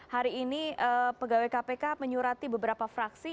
hari ini pegawai kpk menyurati beberapa fraksi